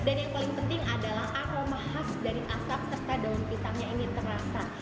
dan yang paling penting adalah aroma khas dari asap serta daun pisangnya ini terasa